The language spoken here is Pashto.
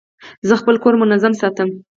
زه خپل کور منظم ساتم.